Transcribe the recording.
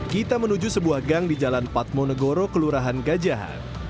kita menuju sebuah gang di jalan patmonegoro kelurahan gajahan